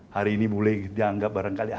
hari ini boleh dianggap barangkali